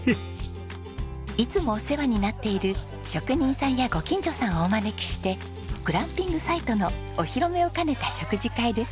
いつもお世話になっている職人さんやご近所さんをお招きしてグランピングサイトのお披露目を兼ねた食事会です。